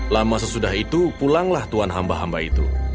lama sesudah itu pulanglah tuhan hamba hamba itu